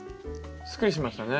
すっきりしましたね。